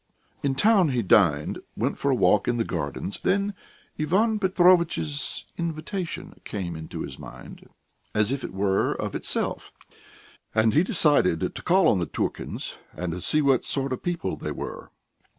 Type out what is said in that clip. '" In town he dined, went for a walk in the gardens, then Ivan Petrovitch's invitation came into his mind, as it were of itself, and he decided to call on the Turkins and see what sort of people they were.